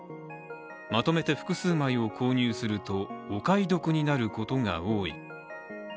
まとめて複数枚を購入するとお買い得になることが多い。